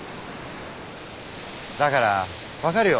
だから分かるよ